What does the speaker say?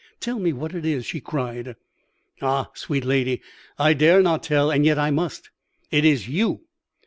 "'Tell me what it is,' she cried. "'Ah, sweet lady, I dare not tell; and yet I must. It is you.